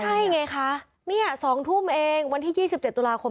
โอ้ใช่ไงคะนี้๒ทุ่มเองวันที่๒๗ตุลาคมที่ผ่านมา